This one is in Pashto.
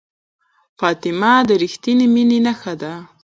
فاطمه د ریښتینې مینې نښه ده.